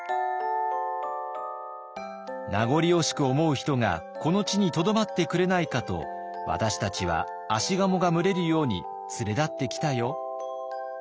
「名残惜しく思う人がこの地にとどまってくれないかと私たちは葦鴨が群れるように連れ立ってきたよ」。